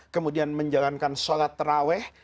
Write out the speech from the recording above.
kemudian menjalankan sholat terawih